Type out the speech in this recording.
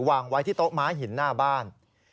วางไว้ที่โต๊ะม้าหินหน้าบ้าน